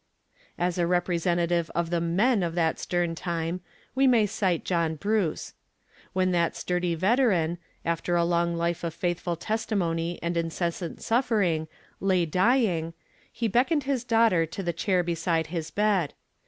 _' As a representative of the men of that stern time, we may cite John Bruce. When that sturdy veteran, after a long life of faithful testimony and incessant suffering, lay dying, he beckoned his daughter to the chair beside his bed.